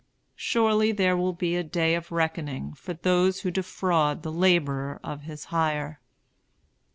Surely there will be a day of reckoning for those who defraud the laborer of his hire.